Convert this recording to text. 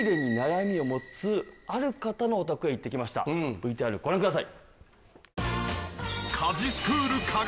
ＶＴＲご覧ください。